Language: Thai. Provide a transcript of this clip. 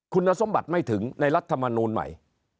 คุณสมบัติไม่ถึงในรัฐมนูลใหม่